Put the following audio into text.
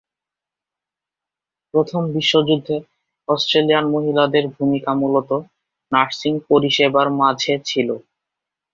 প্রথম বিশ্বযুদ্ধে অস্ট্রেলিয়ান মহিলাদের ভূমিকা মূলত নার্সিং পরিষেবার মাঝে ছিল।